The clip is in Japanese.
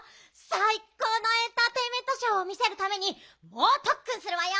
さいこうのエンターテインメントショーを見せるためにもうとっくんするわよ！